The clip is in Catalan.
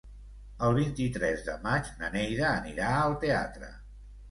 El vint-i-tres de maig na Neida anirà al teatre.